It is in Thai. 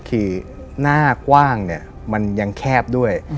คือหน้ากว้างเนี่ยมันยังแคบด้วย